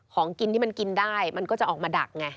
ของกินที่มันกินได้มันก็จะออกมาดักไง